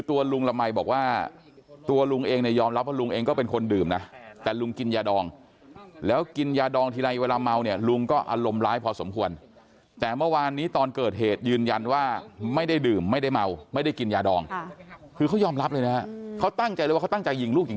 ตัวลุงละมัยบอกว่าตัวลุงเองเนี่ยยอมรับว่าลุงเองก็เป็นคนดื่มนะแต่ลุงกินยาดองแล้วกินยาดองทีไรเวลาเมาเนี่ยลุงก็อารมณ์ร้ายพอสมควรแต่เมื่อวานนี้ตอนเกิดเหตุยืนยันว่าไม่ได้ดื่มไม่ได้เมาไม่ได้กินยาดองคือเขายอมรับเลยนะฮะเขาตั้งใจเลยว่าเขาตั้งใจยิงลูกหญิง